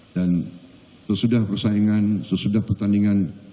dan sesudah persaingan sesudah pertandingan